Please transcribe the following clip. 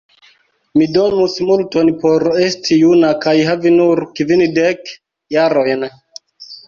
Mi donus multon por esti juna kaj havi nur kvindek jarojn.